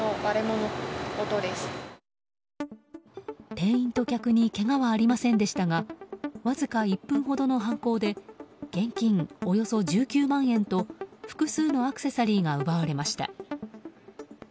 店員と客にけがはありませんでしたがわずか１分ほどの犯行で現金およそ１９万円と、複数のアクセサリーが奪われました。